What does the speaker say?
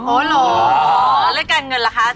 แล้วแล้วการเงินล่ะคะอาจารย์